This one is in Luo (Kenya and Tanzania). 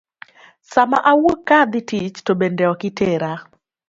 Sama awuok ka adhi tich to bende ok itera.